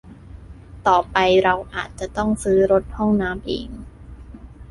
ต่อไปเราอาจจะต้องซื้อรถห้องน้ำเอง